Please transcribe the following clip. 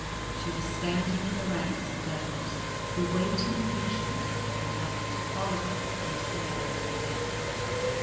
She was standing in the ranks of those who wait in patience for their Beloved to follow them into the Land of Death.